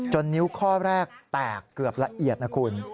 นิ้วข้อแรกแตกเกือบละเอียดนะคุณ